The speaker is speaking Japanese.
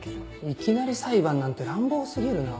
いきなり裁判なんて乱暴過ぎるな。